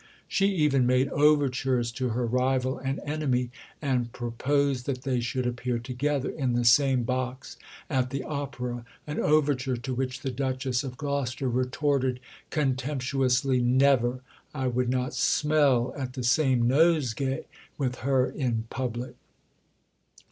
She even made overtures to her rival and enemy, and proposed that they should appear together in the same box at the opera an overture to which the Duchess of Gloucester retorted contemptuously: "Never! I would not smell at the same nosegay with her in public!"